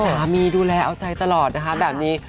ดูแลเอาใจตลอดนะคะแบบนี้